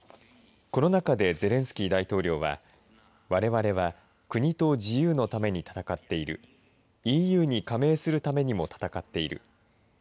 この中でゼレンスキー大統領はわれわれは国と自由のために戦っているＥＵに加盟するためにも戦っている。